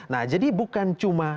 nah jadi bukan cuma